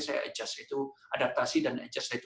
saya adjust itu adaptasi dan adjust itu